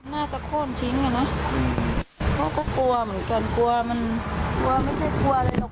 น่าจะโค้นทิ้งอ่ะนะเขาก็กลัวเหมือนกันกลัวมันกลัวไม่ใช่กลัวอะไรหรอก